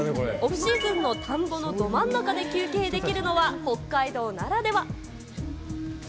オフシーズンの田んぼのど真ん中で休憩できるのは、北海道ならでは。